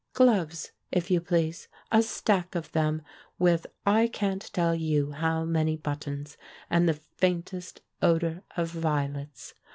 Gloves, if you please !— a stack of them with I can't tell you how many buttons, and the faintest odour of violets.